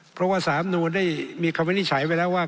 เพราะว่าสามนูลได้มีคำวินิจฉัยไว้แล้วว่า